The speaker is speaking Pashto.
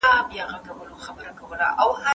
د علم او فلسفې مطالعات د نوښت لپاره بنسټ ته اړتیا لري.